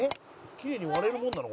きれいに割れるもんなの？